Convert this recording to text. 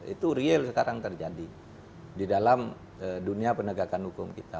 itu real sekarang terjadi di dalam dunia penegakan hukum kita